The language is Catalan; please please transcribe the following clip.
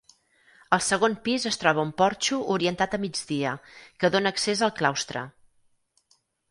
Al segon pis es troba un porxo orientat a migdia, que dóna accés al claustre.